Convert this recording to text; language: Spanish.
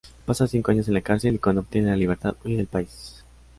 Pasa cinco años en la cárcel y cuando obtiene la libertad, huye del país.